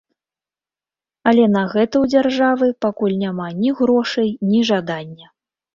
Але на гэта ў дзяржавы пакуль няма ні грошай, ні жадання.